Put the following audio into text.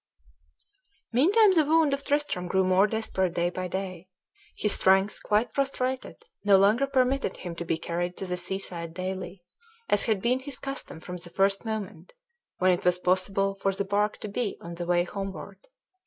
Meantime the wound of Tristram grew more desperate day by day. His strength, quite prostrated, no longer permitted him to be carried to the seaside daily, as had been his custom from the first moment when it was possible for the bark to be on the way homeward.